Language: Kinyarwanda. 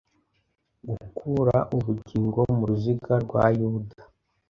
Gukura ubugingo mu ruziga rwa Yuda